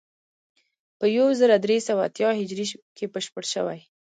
په یو زر درې سوه اتیا هجري کې بشپړ شوی.